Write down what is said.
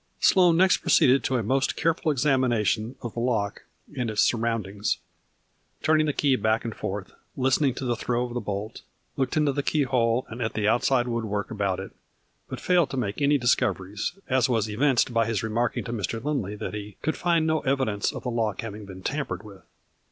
Sloane next proceeded to a most careful ex amination of the lock and its surroundings, turning the key back and forth, listening to the throw of the bolt ; looked into the keyhole and at the outside woodwork about it, but failed to make any discoveries, as was evinced by his remarking to Mr. Lindley that he " could find no evidence of the lock having been tampered with.